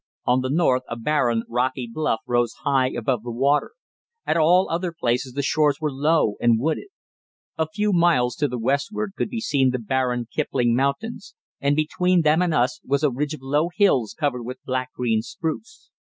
On the north a barren, rocky bluff rose high above the water; at all other places the shores were low and wooded. A few miles to the westward could be seen the barren Kipling Mountains, and between them and us was a ridge of low hills covered with black green spruce.